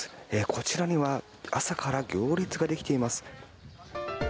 こちらには朝から行列ができています。